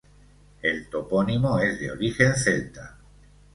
El topónimo es de origen celta.